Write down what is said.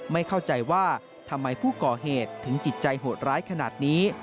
ไม่เข้าใจว่าทำไมผู้ก่อเหตุถึงจิตใจโหดร้ายขนาดนี้